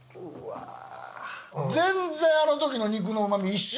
全然あの時の肉のうま味一緒！